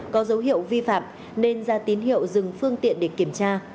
có dấu hiệu vi phạm nên ra tín hiệu dừng phương tiện để kiểm tra